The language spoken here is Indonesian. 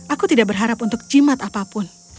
aku tidak berharap untuk jimat apapun